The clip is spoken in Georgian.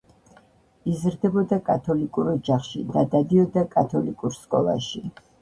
იზრდებოდა კათოლიკურ ოჯახში და დადიოდა კათოლიკურ სკოლაში.